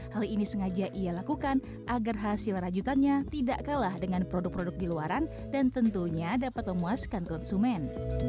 hal ini sengaja ia lakukan agar hasil rajutannya tidak kalah dengan produk produk di luaran dan tentunya dapat memuaskan konsumen